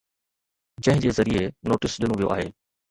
جنهن جي ذريعي نوٽيس ڏنو ويو آهي